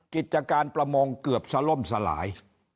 กิจการประมงเกือบสล่มสลาย